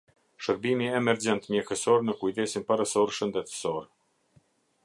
Shërbimi emergjent mjekësor në kujdesin parësor shëndetësor.